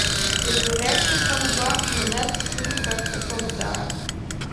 De direksje fan 'e bank wie net berikber foar kommentaar.